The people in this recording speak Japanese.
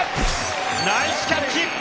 ナイスキャッチ！